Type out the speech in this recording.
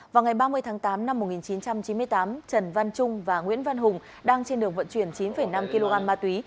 vào ngày ba mươi tháng tám năm một nghìn chín trăm chín mươi tám trần văn trung và nguyễn văn hùng đang trên đường vận chuyển chín năm kg ma túy